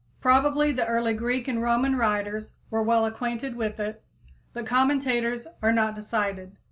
Probably the early Greek and Roman writers were well acquainted with it, but commentators are not decided.